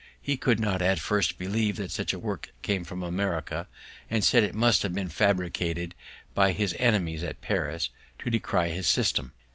He could not at first believe that such a work came from America, and said it must have been fabricated by his enemies at Paris, to decry his system.